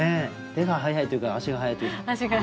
手が早いというか足が早いというか。